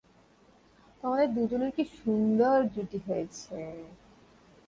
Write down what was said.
তোমাদের দুজনের কী সুন্দর জুটি হয়েছে।